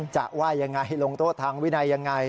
จะว่ายังไงลงโทษทางวินัยยังไง